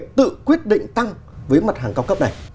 tự quyết định tăng với mặt hàng cao cấp này